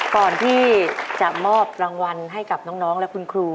ก่อนที่จะมอบรางวัลให้กับน้องและคุณครู